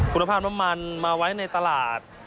คุณภาพน้ำมันมาไว้ในตลาด